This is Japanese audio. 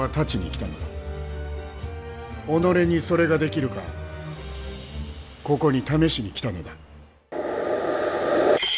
己にそれができるかここに試しに来たのだ。